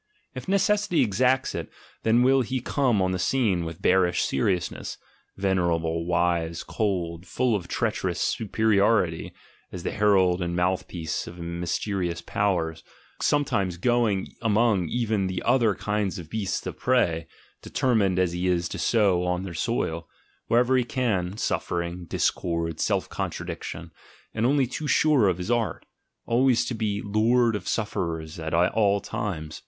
If necessity exacts it, then will he come on the scene with bearish seriousness, venerable, wise, cold, full of treacherous superiority, as the herald and mouthpiece of mysterious powers, some times going among even the other kind of beasts of prey, determined as he is to sow on their soil, wherever he can, suffering, discord, self contradiction, and only too sure of his art, always to be lord of sufferers at all times.